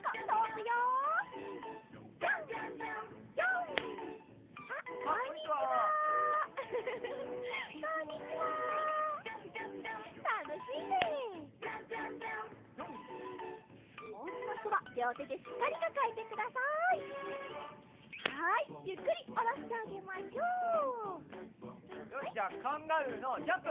よしじゃあカンガルーのジャンプ！